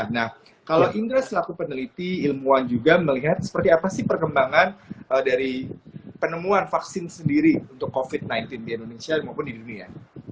nah kalau indra selaku peneliti ilmuwan juga melihat seperti apa sih perkembangan dari penemuan vaksin sendiri untuk covid sembilan belas di indonesia maupun di dunia